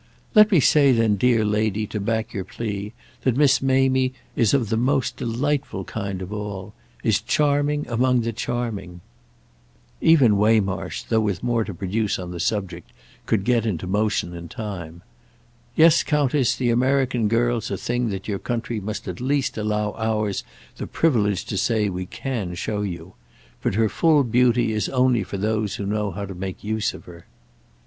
"Let me say then, dear lady, to back your plea, that Miss Mamie is of the most delightful kind of all—is charming among the charming." Even Waymarsh, though with more to produce on the subject, could get into motion in time. "Yes, Countess, the American girl's a thing that your country must at least allow ours the privilege to say we can show you. But her full beauty is only for those who know how to make use of her."